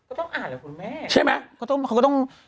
ก็ต้องอ่านแหละคุณแม่ใช่ไหมก็ต้องเขาก็ต้อง